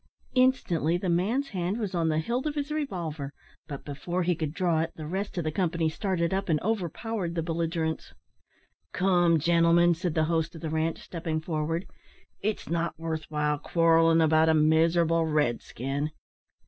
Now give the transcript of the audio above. Instantly the man's hand was on the hilt of his revolver; but, before he could draw it, the rest of the company started up and overpowered the belligerents. "Come, gentlemen," said the host of the ranche, stepping forward, "it's not worth while quarrelling about a miserable red skin."